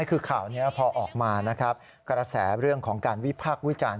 คือข่าวพอออกมากระแสเรื่องของการวิพักวิจารณ์